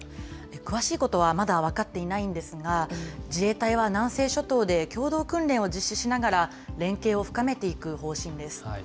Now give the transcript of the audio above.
詳しいことはまだ分かっていないんですが、自衛隊は南西諸島で共同訓練を実施しながら、連携を深めていく方針です。